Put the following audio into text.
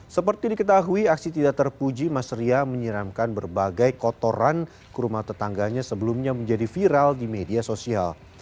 seperti diketahui aksi tidak terpuji mas ria menyiramkan berbagai kotoran ke rumah tetangganya sebelumnya menjadi viral di media sosial